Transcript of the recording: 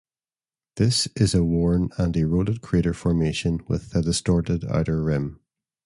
This is a worn and eroded crater formation with a distorted outer rim.